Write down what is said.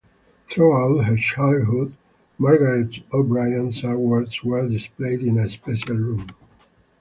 Throughout her childhood, Margaret O'Brien's awards were displayed in a special room.